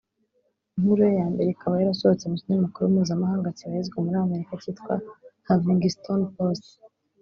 inkuru ye ya mbere ikaba yarasohotse mu kinyamakuru mpuzamahanga kibarizwa muri Amerika cyitwa Huffingstonpost